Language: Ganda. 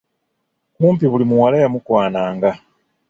Kumpi buli muwala yamukwananga.